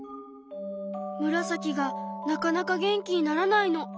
ムラサキがなかなか元気にならないの。